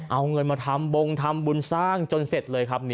เอาเงินมาทำบงทำบุญสร้างจนเสร็จเลยครับ